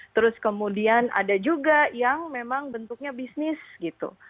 terus kemudian ada juga yang memang bentuknya bisnis gitu